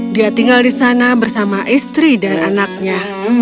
dia tinggal di sana bersama istri dan anaknya